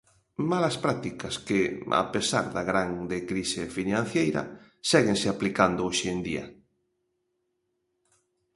Malas prácticas que, a pesar da grande crise financeira, séguense aplicando hoxe en día.